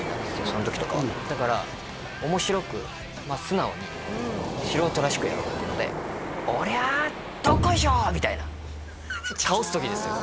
その時とかはだから面白くまあ素直に素人らしくやろうっていうので「おりゃどっこいしょー！」みたいな倒す時ですよ